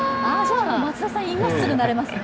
なら松田さん今すぐなれますね。